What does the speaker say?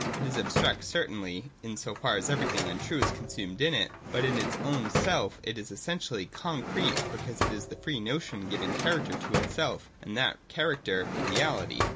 It is abstract certainly, in so far as everything untrue is consumed in it : but in its own self it is essentially con crete, because it is the free notion giving character to itself, and that character, reality.